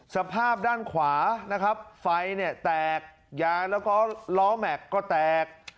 สภาพด้านขวานะครับไฟเนี่ยแตกยางแล้วก็ล้อแม็กซ์ก็แตก